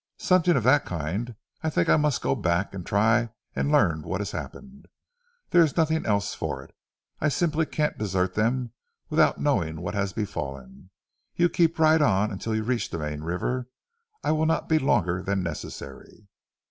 "Something of that kind. I think I must go back, and try and learn what has happened. There is nothing else for it. I simply can't desert them without knowing what has befallen. You keep right on until you reach the main river I will not be longer than necessary."